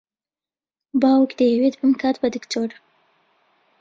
باوک دەیەوێت بمکات بە دکتۆر.